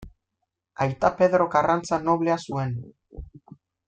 Aita Pedro Karrantza noblea zuen.